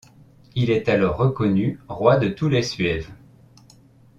Il est alors reconnu Roi de tous les Suèves.